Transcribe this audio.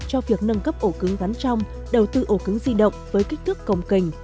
cho việc nâng cấp ổ cứng ván trong đầu tư ổ cứng di động với kích thước công kình